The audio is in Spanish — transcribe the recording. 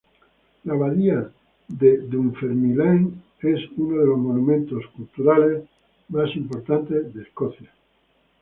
La Abadía de Dunfermline es uno de los monumentos culturales más importantes de Escocia.